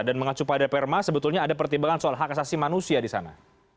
dan mengacu pak deperma sebetulnya ada pertimbangan soal hak asasi manusia di sana